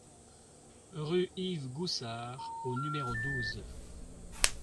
Rue Yves Goussard au numéro douze